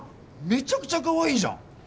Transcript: めちゃくちゃかわいいじゃん！